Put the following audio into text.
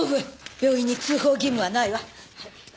病院に通報義務はないわ。